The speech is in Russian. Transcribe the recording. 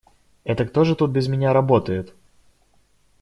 Это кто же тут без меня работает?